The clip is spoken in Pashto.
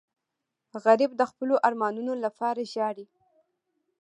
غریب د خپلو ارمانونو لپاره ژاړي